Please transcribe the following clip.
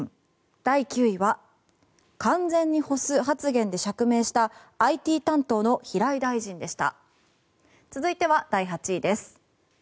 第９位は完全に干す発言で釈明したＩＴ担当の平井大臣でした。